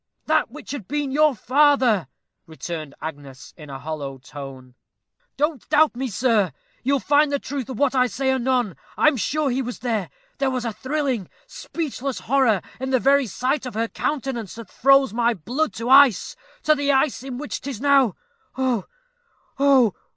"That which had been your father," returned Agnes, in a hollow tone. "Don't doubt me, sir you'll find the truth of what I say anon. I am sure he was there. There was a thrilling, speechless horror in the very sight of her countenance that froze my old blood to ice to the ice in which 'tis now ough! ough!